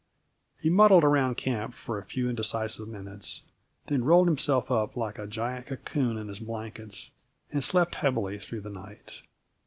He muddled around camp for a few indecisive minutes, then rolled himself up like a giant cocoon in his blankets, and slept heavily through the night.